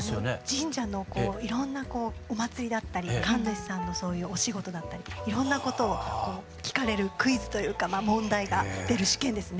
神社のいろんなお祭りだったり神主さんのそういうお仕事だったりいろんなことを聞かれるクイズというかまあ問題が出る試験ですね。